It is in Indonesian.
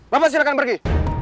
bapak silahkan pergi